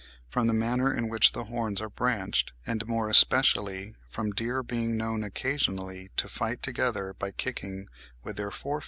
From the manner in which the horns are branched, and more especially from deer being known occasionally to fight together by kicking with their fore feet (25.